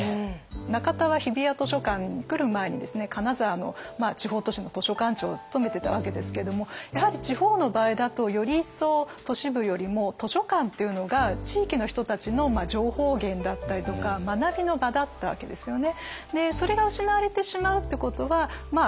中田は日比谷図書館に来る前にですね金沢の地方都市の図書館長を務めてたわけですけどもやはり地方の場合だとより一層都市部よりも図書館っていうのが地域の人たちの情報源だったりとか学びの場だったわけですよね。